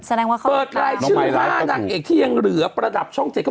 เปิดร้านชื่อค้านางเอกเที่ยงเหลือประดับช่องเจ็ด